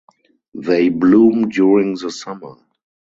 They bloom during the summer.